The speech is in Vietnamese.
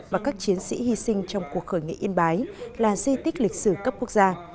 và các chiến sĩ hy sinh trong cuộc khởi nghĩa yên bái là di tích lịch sử cấp quốc gia